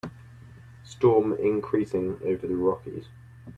Storm increasing over the Rockies.